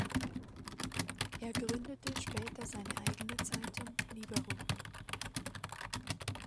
Er gründete später seine eigene Zeitung "Libero".